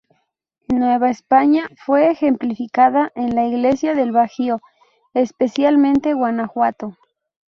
En Nueva España, fue ejemplificada en las iglesias del Bajío, especialmente Guanajuato.